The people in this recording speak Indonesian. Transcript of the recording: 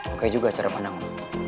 oke juga cara pandang